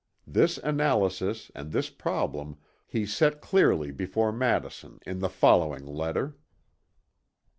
This analysis and this problem he set clearly before Madison in the following letter.